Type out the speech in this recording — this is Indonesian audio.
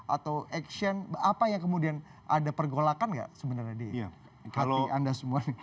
atau action apa yang kemudian ada pergolakan nggak sebenarnya di hati anda semua